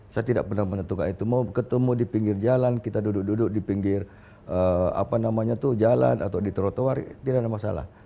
saya tidak pernah menentukan itu mau ketemu di pinggir jalan kita duduk duduk di pinggir jalan atau di trotoar tidak ada masalah